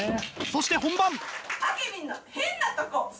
そして本番！